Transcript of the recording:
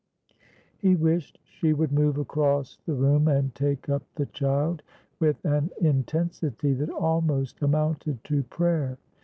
He wished she would move across the room and take up the child, with an intensity that almost amounted to prayer.